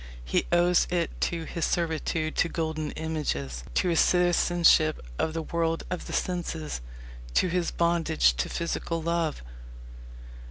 He owes it to his servitude to golden images, to his citizenship of the world of the senses, to his bondage to physical love.